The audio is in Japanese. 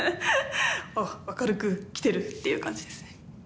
あっ明るく来てるっていう感じですね。